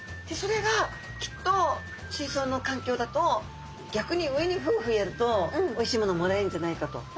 それがきっと水そうのかんきょうだと逆に上にフーフーやるとおいしいものもらえるんじゃないかと。